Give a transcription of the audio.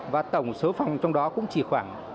và tổng số phòng trong đó cũng chỉ khoảng